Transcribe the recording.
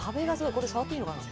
これ触っていいのかな。